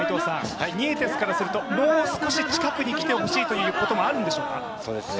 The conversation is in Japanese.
ニエテスからすると、もう少し近くに来てほしいということもあるんでしょうか。